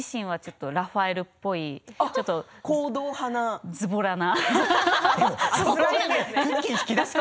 私自身ラファエルっぽいずぼらな。